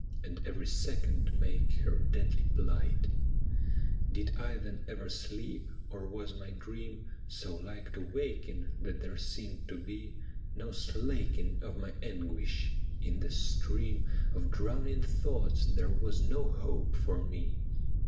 And every second make her deadly phght ! Did I then ever sleep, or was my dream So like to waking that there seemed to be No slaking of my anguish ! In the stream Of drowning thoughts there was no hope for me.